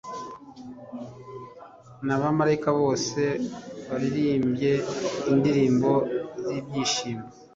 n'abamalayika, bose baririmbye indirimbo z'ibyishimo